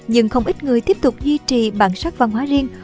nhưng không ít người tiếp tục duy trì bản sắc văn hóa riêng